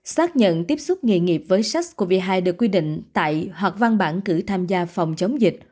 xác nhận tiếp xúc nghề nghiệp với sars cov hai được quy định tại hoặc văn bản cử tham gia phòng chống dịch